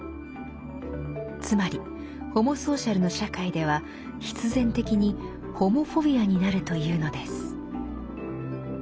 つまりホモソーシャルの社会では必然的にホモフォビアになるというのです。